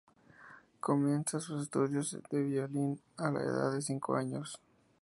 Comienza sus estudios de violín a la edad de cinco años.